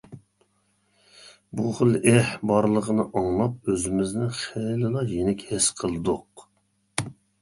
بۇ خىل ئېھ بارلىقىنى ئاڭلاپ ئۆزىمىزنى خېلىلا يېنىك ھېس قىلدۇق.